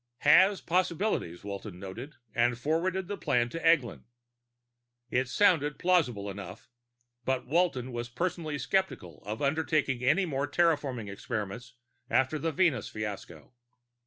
Has possibilities, Walton noted, and forwarded the plan on to Eglin. It sounded plausible enough, but Walton was personally skeptical of undertaking any more terraforming experiments after the Venus fiasco.